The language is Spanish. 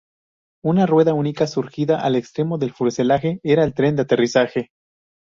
Una rueda única surgida al extremo del fuselaje era el tren de aterrizaje.